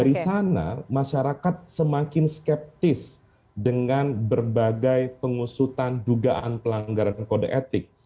dari sana masyarakat semakin skeptis dengan berbagai pengusutan dugaan pelanggaran kode etik